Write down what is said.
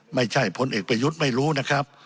พลเอกประยุทธ์ไม่รู้นะครับ